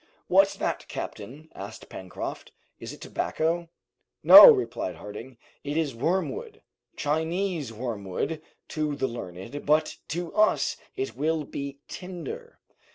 "What's that, captain?" asked Pencroft. "Is it tobacco?" "No," replied Harding, "it is wormwood; Chinese wormwood to the learned, but to us it will be tinder."